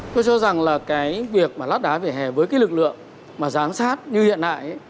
tôi cho rằng là cái việc mà lát đá về hè với cái lực lượng mà giám sát như hiện đại